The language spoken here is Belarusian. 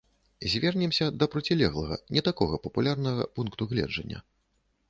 Звернемся да процілеглага, не такога папулярнага пункту гледжання.